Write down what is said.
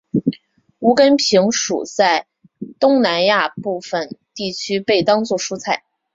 无根萍属在东南亚部份地区被当作蔬菜。